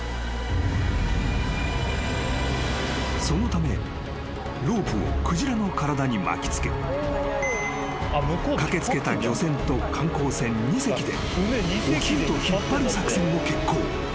［そのためロープを鯨の体に巻き付け駆け付けた漁船と観光船２隻で沖へと引っ張る作戦を決行］